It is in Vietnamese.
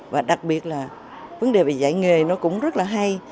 và đặc biệt là vấn đề về dạy nghề nó cũng rất là hay